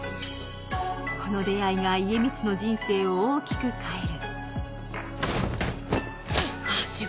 この出会いが家光の人生を大きく変える。